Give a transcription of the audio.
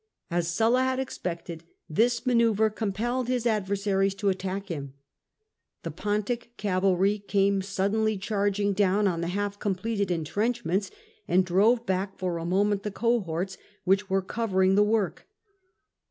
As Sulla had expected, this manoeuvre compelled his adversaries to attack him. The Pontic cavalry came suddenly charging down on the half completed entrenchments, and drove back for a moment the cohorts which were covering the work.